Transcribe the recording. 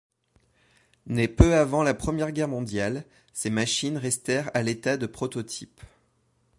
Nées peu avant la Première Guerre mondiale, ces machines restèrent à l'état de prototypes.